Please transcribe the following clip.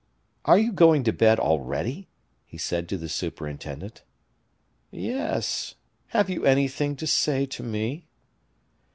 "Are you going to bed already?" he said to the superintendent. "Yes; have you anything to say to me?"